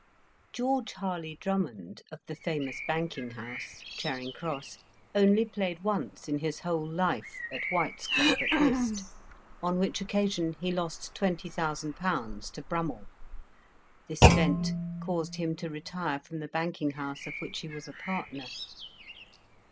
George Harley Drummond, of the famous banking house, Charing Cross, only played once in his whole life at White's Club at whist, on which occasion he lost 20,000£. to Brummell. This event caused him to retire from the banking house of which he was a partner.